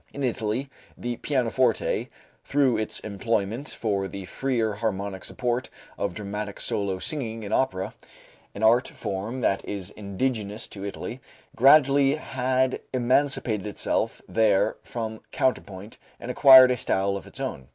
In Italy the pianoforte, through its employment for the freer harmonic support of dramatic solo singing in opera, an art form that is indigenous to Italy, gradually had emancipated itself there from counterpoint and acquired a style of its own.